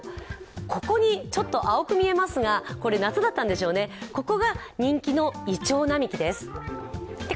ここにちょっと青く見ますが、これ夏だったんでしょうね、ここが人気のいちょう並木です。